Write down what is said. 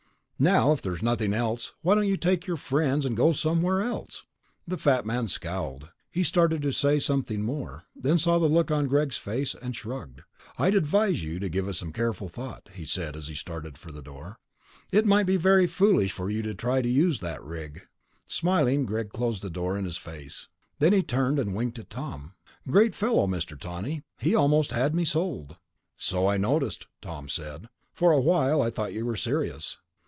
Now if there's nothing else, why don't you take your friends and go somewhere else?" The fat man scowled; he started to say something more, then saw the look on Greg's face, and shrugged. "I'd advise you to give it some careful thought," he said as he started for the door. "It might be very foolish for you to try to use that rig." Smiling, Greg closed the door in his face. Then he turned and winked at Tom. "Great fellow, Mr. Tawney. He almost had me sold." "So I noticed," Tom said. "For a while I thought you were serious."